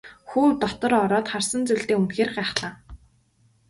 Хүү дотор ороод харсан зүйлдээ үнэхээр гайхлаа.